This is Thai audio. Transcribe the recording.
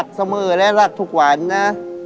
ต่อยก็หลักน่ะหลักกว่านี้